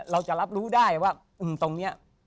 เราจะรับรู้ได้ว่าตรงนี้